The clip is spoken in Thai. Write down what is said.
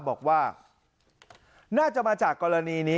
บอกว่าน่าจะมาจากกรณีนี้